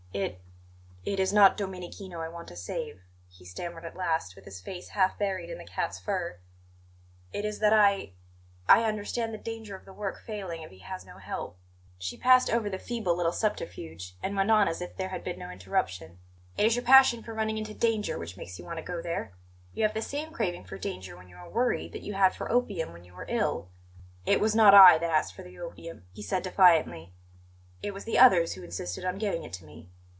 "It it is not Domenichino I want to save," he stammered at last, with his face half buried in the cat's fur; "it is that I I understand the danger of the work failing if he has no help." She passed over the feeble little subterfuge, and went on as if there had been no interruption: "It is your passion for running into danger which makes you want to go there. You have the same craving for danger when you are worried that you had for opium when you were ill." "It was not I that asked for the opium," he said defiantly; "it was the others who insisted on giving it to me."